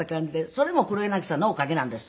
それも黒柳さんのおかげなんです。